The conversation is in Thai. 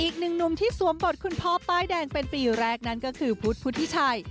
อีกหนึ่งหนุ่มที่สวมบทคุณพ่อป้ายแดงเป็นปีแรกนั้นก็คือพุทธพุทธิชัย